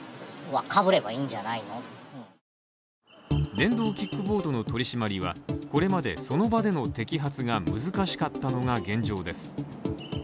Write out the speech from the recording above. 電動キックボードの取り締まりは、これまでその場での摘発が難しかったのが現状です。